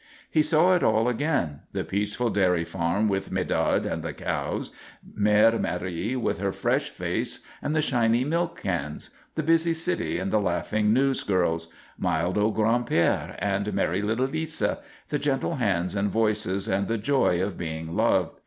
He saw it all again the peaceful dairy farm with Medard and the cows; Mère Marie, with her fresh face and the shiny milk cans; the busy city and the laughing newsgirls; mild old Gran'père and merry little Lisa; the gentle hands and voices and the joy of being loved.